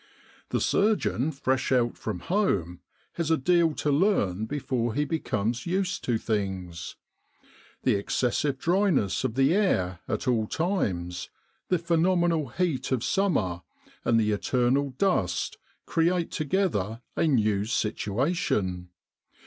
The surgeon fresh out from home has a deal to learn before he becomes used to things. The excessive dryness of the air at all times, the phenomenal heat of summer, and the eternal dust, create together a new situation.